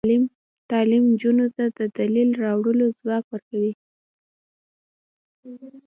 تعلیم نجونو ته د دلیل راوړلو ځواک ورکوي.